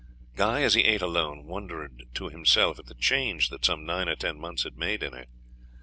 Guy, as he ate alone, wondered to himself at the change that some nine or ten months had made in her.